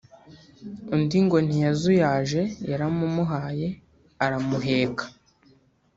undi ngo ntiyazuyaje yaramumuhaye aramuheka